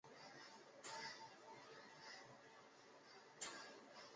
毛梗罗浮槭为槭树科枫属下的一个变种。